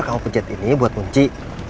kamu pijat ini buat kunci